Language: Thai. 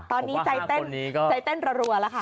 ตอนนี้ใจเต้นรัวแล้วค่ะ